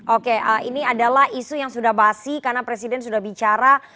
oke ini adalah isu yang sudah basi karena presiden sudah bicara